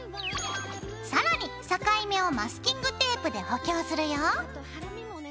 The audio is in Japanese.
更に境目をマスキングテープで補強するよ。